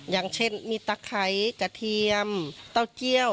อย่างเช่นมีตะไคร้กระเทียมเต้าเจี้ยว